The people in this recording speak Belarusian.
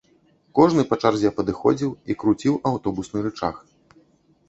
Кожны па чарзе падыходзіў і круціў аўтобусны рычаг.